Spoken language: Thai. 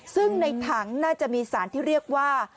ซึ่งในถังน่าจะมีสารที่เรียกว่า